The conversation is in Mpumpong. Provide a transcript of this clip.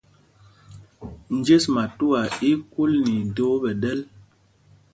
Njes matuá í í kúl nɛ idōō ɓɛ ɗɛ́l.